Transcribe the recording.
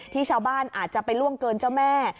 ที่ชาวบ้านอาจจะไปล่วงเกินเจ้าแม่